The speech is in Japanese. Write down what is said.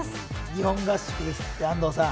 日本合宿ですって、安藤さん。